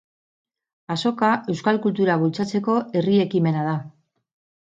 Azoka euskal kultura bultzatzeko herri ekimena da.